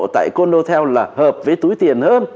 tại cô đô theo là hợp với túi tiền hơn